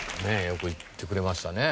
よく行ってくれましたね。